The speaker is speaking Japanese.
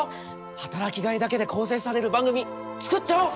働きがいだけで構成される番組作っちゃおう！